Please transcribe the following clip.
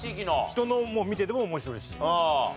人のを見てても面白いし。